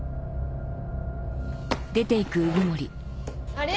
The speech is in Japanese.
あれ？